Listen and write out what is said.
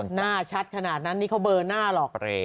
หน้าชัดขนาดนั้นนี่เขาเบอร์หน้าหลอกเร